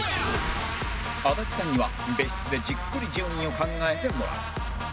足立さんには別室でじっくり順位を考えてもらう